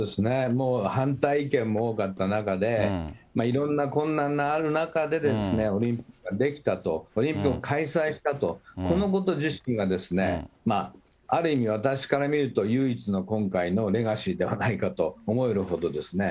もう反対意見も多かった中で、いろんな困難がある中で、オリンピックができたと、開催したとこのこと自身が、ある意味、私から見ると唯一の今回のレガシーではないかと思えるほどですね。